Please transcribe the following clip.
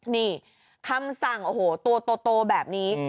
นี่คำสั่งโอ้โหตัวโตแบบนี้